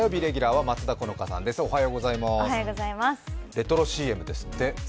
レトロＣＭですって。